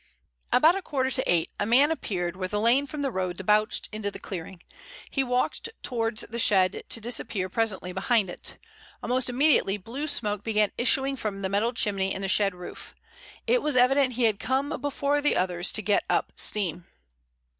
About a quarter to eight a man appeared where the lane from the road debouched into the clearing. He walked towards the shed, to disappear presently behind it. Almost immediately blue smoke began issuing from the metal chimney in the shed roof. It was evident he had come before the others to get up steam.